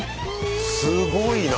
すごいな。